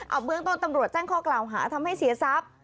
เอาเบื้องต้นตำรวจแจ้งข้อกล่าวหาทำให้เสียทรัพย์